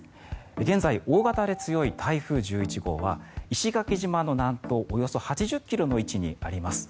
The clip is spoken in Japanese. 現在、大型で強い台風１１号は石垣島の南東およそ８０ｋｍの位置にあります。